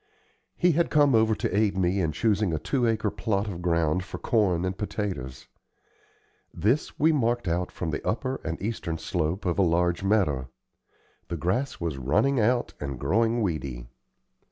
He had come over to aid me in choosing a two acre plot of ground for corn and potatoes. This we marked out from the upper and eastern slope of a large meadow. The grass was running out and growing weedy.